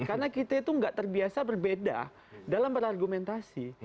karena kita itu nggak terbiasa berbeda dalam berargumentasi